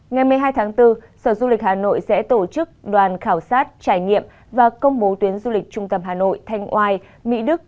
ngày một mươi hai tháng bốn sở du lịch hà nội sẽ tổ chức đoàn khảo sát trải nghiệm và công bố tuyến du lịch trung tâm hà nội thanh oai mỹ đức